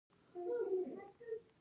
کوچنیان صفا زړونه لري